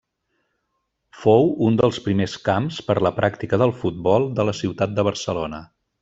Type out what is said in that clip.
Fou un dels primers camps per la pràctica del futbol de la ciutat de Barcelona.